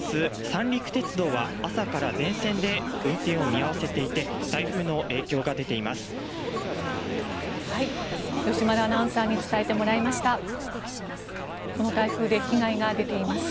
三陸鉄道は朝から全線で運転を見合わせていて台風の影響が出ています。